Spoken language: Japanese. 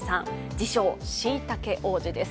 自称・しいたけ王子です。